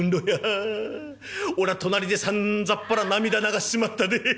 おら隣でさんざっぱら涙流しちまったでえ。